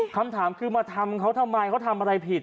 คำถามคือมาทำเขาทำไมเขาทำอะไรผิด